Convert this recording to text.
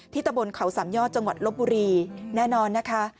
ตะบนเขาสามยอดจังหวัดลบบุรีแน่นอนนะคะ